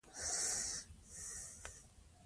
تعلیم لرونکې میندې د کور چاپېریال روغ ساتي.